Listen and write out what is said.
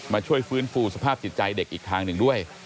ช่วยฟื้นฟูสภาพจิตใจเด็กอีกทางหนึ่งด้วย